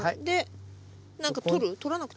で何か取る？